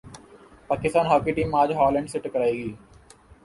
Pakistan hockey team اج Holland سے ٹکرا ئے گی